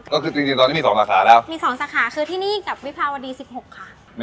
ก็คือจริงจริงตอนนี้มีสองสาขาแล้วมีสองสาขาคือที่นี่กับวิภาวดีสิบหกค่ะ